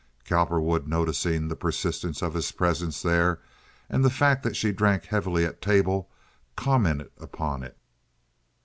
Cowperwood, noticing the persistence of its presence there and the fact that she drank heavily at table, commented upon it.